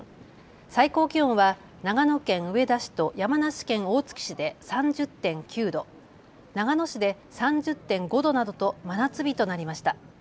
最高気温は長野県上田市と山梨県大月市で３０．９度、長野市で３０．５度などと真夏日となりました。